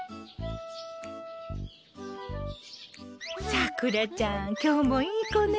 さくらちゃん、今日もいい子ね。